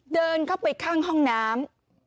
เดินเข้าไปข้างห้องน้ำ